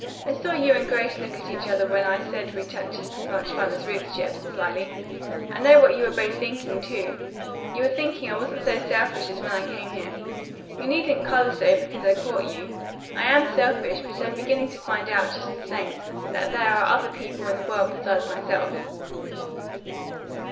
"I saw you and Grace look at each other when I said we'd had just as much fun as Ruth," she added slyly. "I know what you were both thinking, too. You were thinking that I wasn't so selfish as when I came here. You needn't color so because I caught you. I am selfish, but I'm beginning to find out, just the same, that there are other people in the world besides myself."